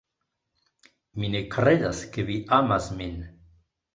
Mi ne kredas ke vi amas min.